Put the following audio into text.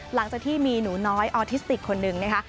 หลังจากที่มีหนูน้อยออทิสติกคนนึงนะคะ